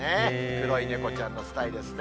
黒い猫ちゃんのスタイですね。